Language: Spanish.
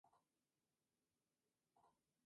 Com, que son muy grandes.